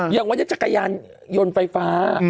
อย่างวันนี้จักรยานยนต์ไฟฟ้า